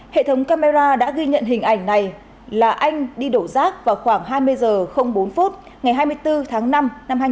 hệ thống camera đã ghi nhận hình ảnh này là anh đi đổ rác vào khoảng hai mươi h bốn ngày hai mươi bốn tháng năm năm hai nghìn hai mươi ba